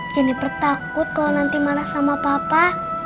jennifer takut kalau nanti marah sama papa